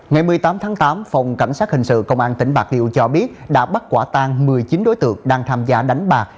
ngày một mươi tám tháng tám phòng cảnh sát hình sự công an tỉnh bạc liêu cho biết đã bắt quả tan một mươi chín đối tượng đang tham gia đánh bạc